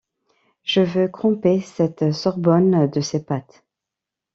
Je veux cromper cette sorbonne de ses pattes.